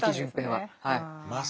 はい。